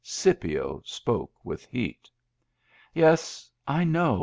Scipio spoke with heat. "Yes, I know.